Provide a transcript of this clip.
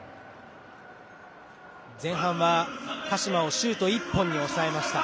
前半は鹿島をシュート１本に抑えました。